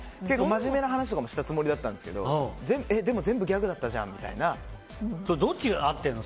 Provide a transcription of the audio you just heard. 真面目な話とかもしたつもりだったんですけどでも、全部ギャグだったじゃんみたいな。どっちが合ってるの？